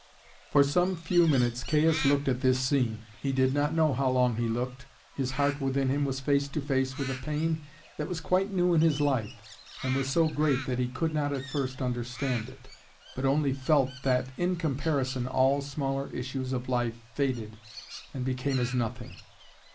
For some few minutes Caius looked at this scene; he did not know how long he looked; his heart within him was face to face with a pain that was quite new in his life, and was so great that he could not at first understand it, but only felt that in comparison all smaller issues of life faded and became as nothing.